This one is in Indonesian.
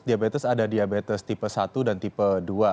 diabetes ada diabetes tipe satu dan tipe dua